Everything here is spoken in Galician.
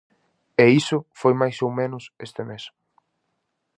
E iso foi máis ou menos este mes.